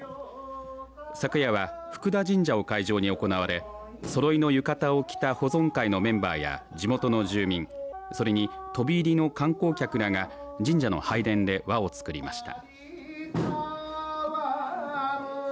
昨夜は福田神社を会場に行われそろいの浴衣を着た保存会のメンバーや地元の住民、それに飛び入りの観光客らが神社の拝殿で輪をつくりました。